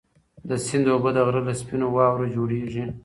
د سیند اوبه د غره له سپینو واورو جوړېږي.